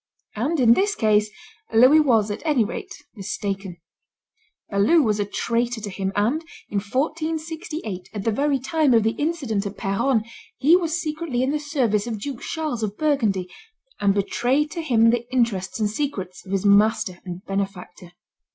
And in this case Louis was, at any rate, mistaken; Balue was a traitor to him, and in 1468, at the very time of the incident at Peronne, he was secretly in the service of Duke Charles of Burgundy, and betrayed to him the interests and secrets of his master and benefactor.